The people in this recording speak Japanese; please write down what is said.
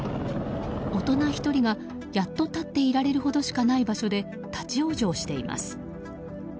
大人１人がやっと立っていられるほどしかない場所で立ち往生しています。